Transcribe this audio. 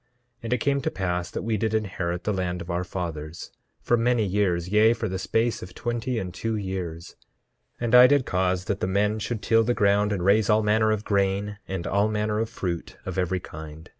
10:3 And it came to pass that we did inherit the land of our fathers for many years, yea, for the space of twenty and two years. 10:4 And I did cause that the men should till the ground, and raise all manner of grain and all manner of fruit of every kind.